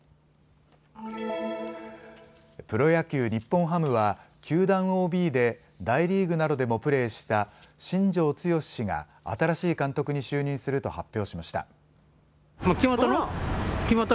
プロ野球、日本ハムは球団ＯＢで大リーグなどでもプレーした新庄剛志氏が新しい監督に就任すると発表しました。